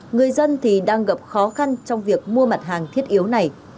người dân thì đang gặp khó khăn trong việc mua mặt hàng thiết yếu này